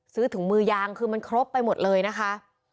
ถุงมือยางคือมันครบไปหมดเลยนะคะ